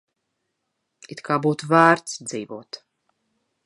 It kā būtu vērts dzīvot.